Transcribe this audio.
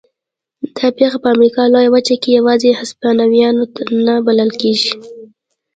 دا پېښه په امریکا لویه وچه کې یوازې هسپانویان نه بلل کېږي.